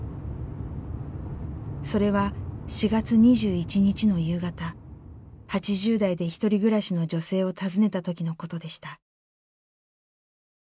それは４月２１日の夕方８０代で独り暮らしの女性を訪ねた時のことでした。